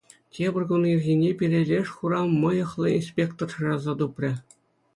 Тепӗр кун ирхине пире леш хура мӑйӑхлӑ инспектор шыраса тупрӗ.